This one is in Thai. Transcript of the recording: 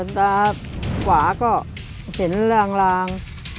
อะตาขวาก็หลัง